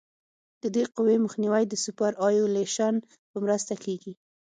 د دې قوې مخنیوی د سوپرایلیویشن په مرسته کیږي